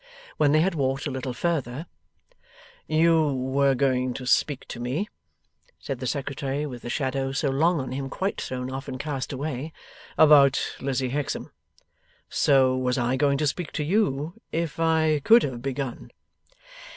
When they had walked a little further: 'You were going to speak to me,' said the Secretary, with the shadow so long on him quite thrown off and cast away, 'about Lizzie Hexam. So was I going to speak to you, if I could have begun.